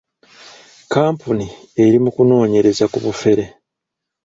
Kkampuni eri mu kunoonyereza ku bufere.